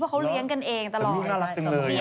เพราะเขาเลี้ยงกันเองตลอด